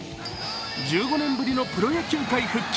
１５年ぶりのプロ野球界復帰。